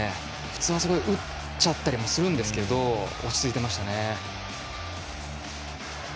普通、あそこで打っちゃったりするんですけど落ち着いてましたね。